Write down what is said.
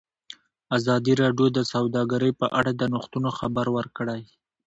ازادي راډیو د سوداګري په اړه د نوښتونو خبر ورکړی.